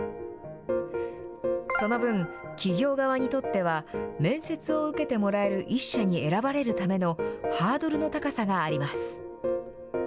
その分、企業側にとっては、面接を受けてもらえる１社に選ばれるためのハードルの高さがあります。